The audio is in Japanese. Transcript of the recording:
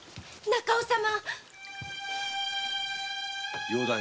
中尾様。